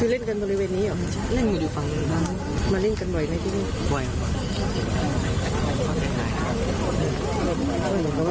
คือเล่นกันบริเวณนี้หรือเล่นอยู่ดีกว่าฝนมาเล่นกันเวลยึ่งที่นี่เวลย์มาว่ะ